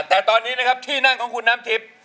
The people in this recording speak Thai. แต่ตอนนี้นะครับที่นั่งของคุณน้ำทิพย์